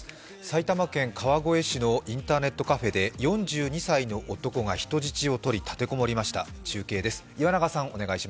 埼玉県川越市のインターネットカフェで４２歳の男が人質を取り立て籠もりました。